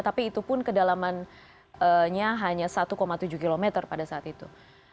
tapi itu pun kedalamannya hanya satu tujuh km pada saat itu